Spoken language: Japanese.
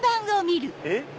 えっ⁉